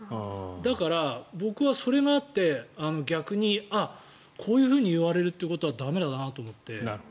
だから僕はそれがあって逆にあ、こう言われるということは駄目だなと思って。